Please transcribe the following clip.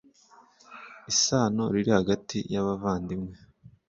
Isano ririhagati yabavandimwe.